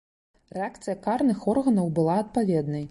Рэакцыя карных органаў была адпаведнай.